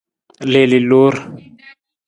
Liili loor.